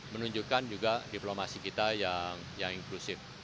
menunjukkan juga diplomasi kita yang inklusif